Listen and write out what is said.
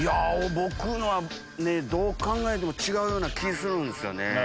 僕のはねどう考えても違うような気ぃするんすよね。